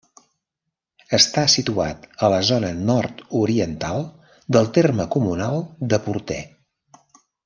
Està situat a la zona nord-oriental del terme comunal de Portè.